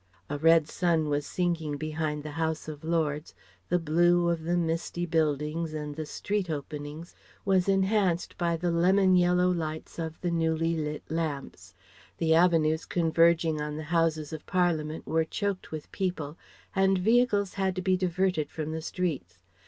A red sun was sinking behind the House of Lords, the blue of the misty buildings and street openings was enhanced by the lemon yellow lights of the newly lit lamps. The avenues converging on the Houses of Parliament were choked with people, and vehicles had to be diverted from the streets.